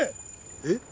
えっ？